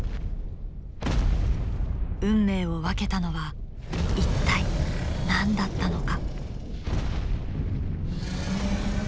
運命を分けたのは一体何だったのか？